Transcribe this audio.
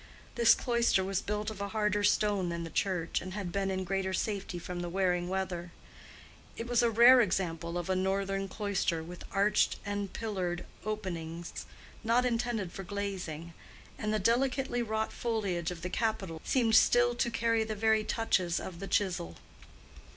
This cloister was built of a harder stone than the church, and had been in greater safety from the wearing weather. It was a rare example of a northern cloister with arched and pillared openings not intended for glazing, and the delicately wrought foliage of the capitals seemed still to carry the very touches of the chisel.